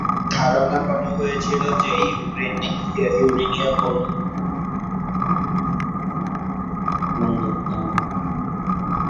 ধারণা করা হয়েছিল যে ইউরেনিয়াম বন্দুক ধরনের বোমাটি এ থেকে আরও সহজেই রূপান্তরিত হতে পারে।